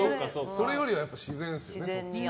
それよりは自然ですよね。